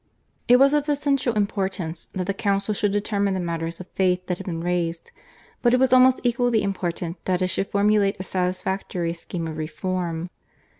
It was of essential importance that the council should determine the matters of faith that had been raised, but it was almost equally important that it should formulate a satisfactory scheme of reform.